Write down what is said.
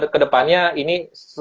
ke depannya ini